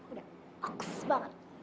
udah oks banget